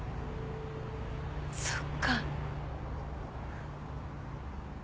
そっか。